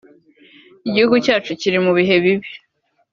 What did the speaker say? Igihugu cyacu kiri mu bihe bibi